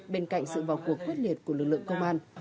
bên cạnh sự vào cuộc quyết liệt của lực lượng công an